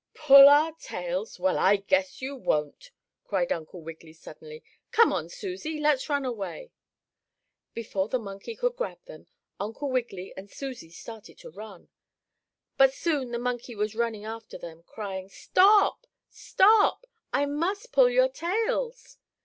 "Pull our tails! Well, I guess you won't!" cried Uncle Wiggily suddenly. "Come on, Susie! Let's run away!" Before the monkey could grab them Uncle Wiggily and Susie started to run. But soon the monkey was running after them, crying: "Stop! Stop! I must pull your tails!"